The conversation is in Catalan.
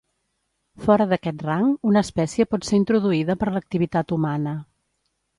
Fora d'aquest rang, una espècie pot ser introduïda per l'activitat humana.